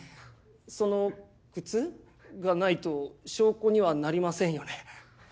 その靴がないと証拠にはなりませんよね？